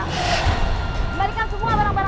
kembalikan semua rumah saya